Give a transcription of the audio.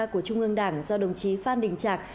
của trung ương đảng do đồng chí phan đình trạc